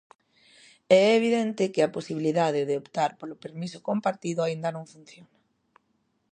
E é evidente que a posibilidade de optar polo permiso compartido aínda non funciona.